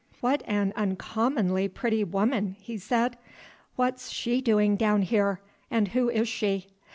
"What an uncommonly pretty woman," he said. "What's she doing down here, and who is she?"